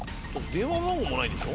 電話番号もないんでしょ？